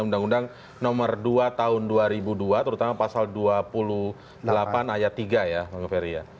undang undang nomor dua tahun dua ribu dua terutama pasal dua puluh delapan ayat tiga ya bang ferry ya